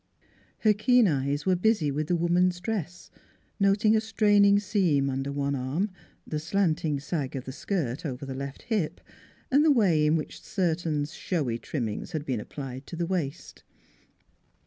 Her keen eyes were busy with the woman's dress, noting a straining seam under one arm, the slanting sag of the skirt over the left hip and the way in which certain showy trimmings had been applied to the waist.